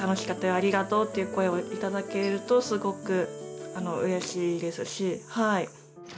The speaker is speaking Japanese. ありがとうという声をいただけるとすごくうれしいですしはい。